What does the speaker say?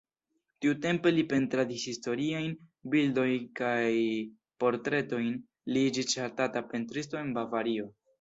Tiutempe li pentradis historiajn bildojn kaj portretojn, li iĝis ŝatata pentristo en Bavario.